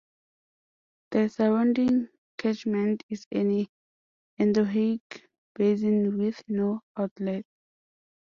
The surrounding catchment is an endorheic basin with no outlet.